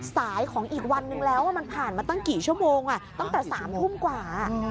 สายของอีกวันนึงแล้วว่ามันผ่านมาตั้งสัก๓ทุ่มกว่า